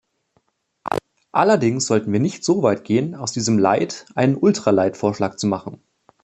Allerdings sollten wir nicht soweit gehen, aus diesem lighteinen ultra-light-Vorschlag zu machen.